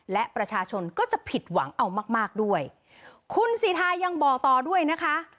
และประชาชนก็จะผิดหวังเอามากมากด้วยคุณสิทายังบอกต่อด้วยนะคะ